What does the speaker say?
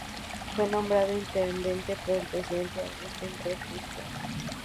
Fue nombrado intendente por el presidente Agustín P. Justo.